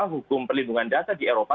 hukum perlindungan data di eropa